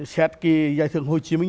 set cái giải thưởng hồ chí minh